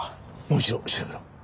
もう一度調べろ。